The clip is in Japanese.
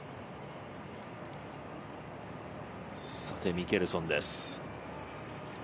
ミケルソンです。